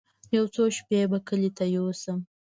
يو څو شپې به کلي ته يوسم.